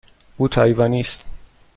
او تایوانی است.